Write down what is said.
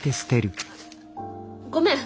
ごめん！